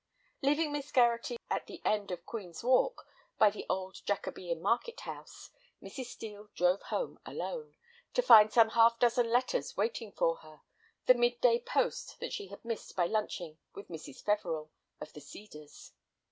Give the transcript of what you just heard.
Leaving Miss Gerratty at the end of Queen's Walk by the old Jacobean Market House, Mrs. Steel drove home alone, to find some half dozen letters waiting for her, the mid day post that she had missed by lunching with Mrs. Feveril, of The Cedars.